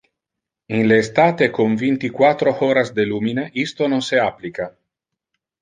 In le estate, con vinti-quatro horas de lumine, isto non se applica.